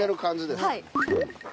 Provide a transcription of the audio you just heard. はい。